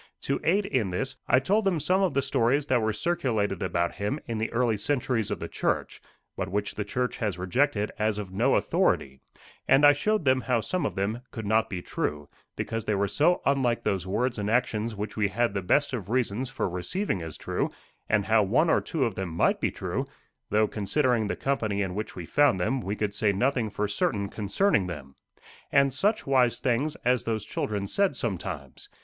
To aid in this, I told them some of the stories that were circulated about him in the early centuries of the church, but which the church has rejected as of no authority; and I showed them how some of them could not be true, because they were so unlike those words and actions which we had the best of reasons for receiving as true; and how one or two of them might be true though, considering the company in which we found them, we could say nothing for certain concerning them. And such wise things as those children said sometimes!